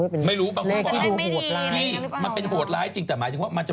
เป็นแปลงทั้งหมดจริงมั้ย